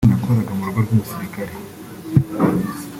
Ati “Nakoraga mu rugo rw’umusirikare